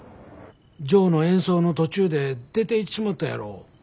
ジョーの演奏の途中で出ていってしもたやろ。